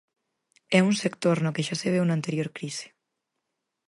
É un sector no que xa se veu na anterior crise.